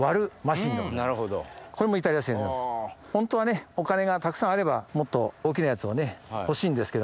ホントはねお金がたくさんあればもっと大きなやつをね欲しいんですけども。